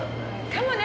かもね。